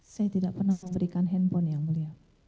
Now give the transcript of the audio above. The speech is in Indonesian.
saya tidak pernah memberikan handphone yang mulia